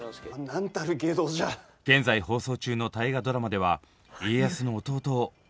現在放送中の大河ドラマでは家康の弟を熱演しました。